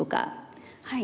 はい。